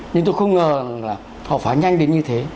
nhưng tôi không ngờ là họ phá nhanh đến như thế